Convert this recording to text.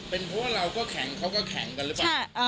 เป็นเพราะว่าเราก็แข็งเขาก็แข็งกันหรือเปล่า